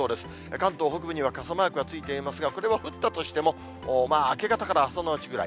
関東北部には傘マークがついていますが、これは降ったとしても、明け方から朝のうちぐらい。